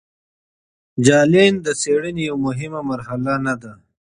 جلاین د څیړنې یوه مهمه مرحله نه ده.